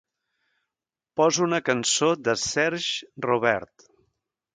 Posa una cançó de Serge Robert